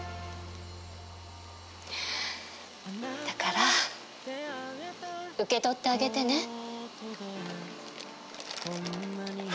だから受け取ってあげてね。